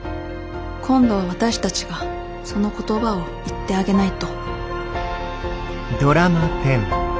今度は私たちがその言葉を言ってあげないと。